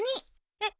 えっ！？